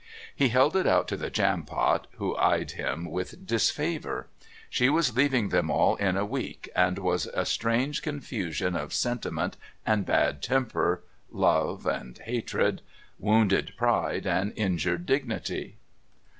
He held it out to the Jampot, who eyed him with disfavour. She was leaving them all in a week and was a strange confusion of sentiment and bad temper, love and hatred, wounded pride and injured dignity.